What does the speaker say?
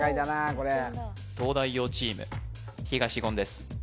これ東大王チーム東言です